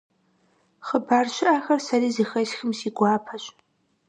Хъыбар щыӀэхэр сэри зэхэсхым, си гуапэщ.